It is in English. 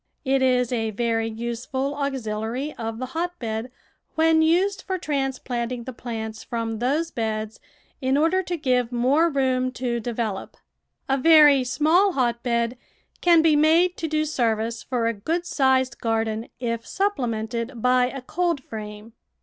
It is a very useful auxiliary of the hotbed when used for transplanting the plants from those beds in order to give more room to develop. A very CONSTRUCTION AND CARE OF HOTBEDS small hotbed can be made to do service for a good sized garden if supplemented by a coldframe.